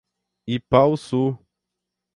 Ipaussu